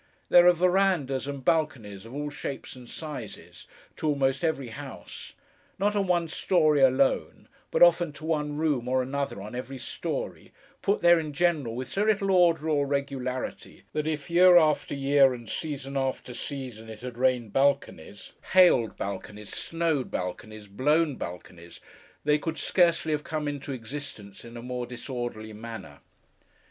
There are verandahs and balconies, of all shapes and sizes, to almost every house—not on one story alone, but often to one room or another on every story—put there in general with so little order or regularity, that if, year after year, and season after season, it had rained balconies, hailed balconies, snowed balconies, blown balconies, they could scarcely have come into existence in a more disorderly manner.